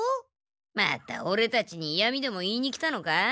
またオレたちにいやみでも言いに来たのか？